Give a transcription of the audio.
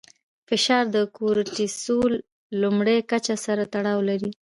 فشار د کورټیسول لوړې کچې سره تړاو لري.